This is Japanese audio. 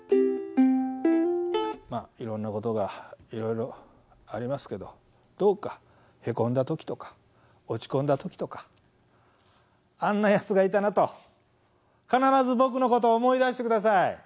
まあいろんなことがいろいろありますけどどうかへこんだ時とか落ち込んだ時とかあんなやつがいたなと必ず僕のことを思い出してください。